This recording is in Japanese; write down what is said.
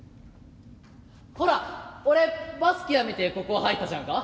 ほら俺バスケやめてここ入ったじゃんか？